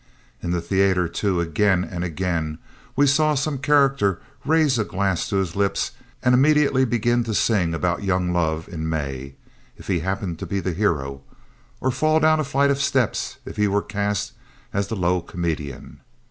In the theater, too, again and again we saw some character raise a glass to his lips and immediately begin to sing about young love in May if he happened to be the hero, or fall down a flight of steps if he were cast as the low comedian.